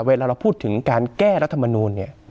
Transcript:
เวลาเราพูดถึงการแก้รัฐมนูลเนี่ย